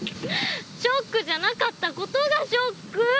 ショックじゃなかったことがショック！